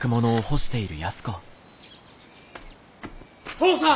・父さん！